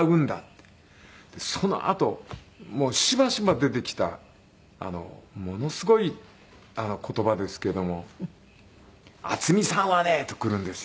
そのあとしばしば出てきたものすごい言葉ですけども「渥美さんはね」とくるんですよ。